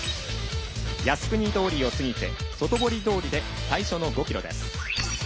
靖国通りを過ぎて外堀通りで最初の５ｋｍです。